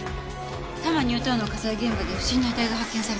多摩ニュータウンの火災現場で不審な遺体が発見されました。